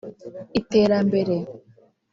Iterambere